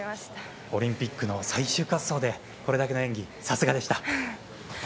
オリンピックの最終滑走でこれだけの演技、さすがでした。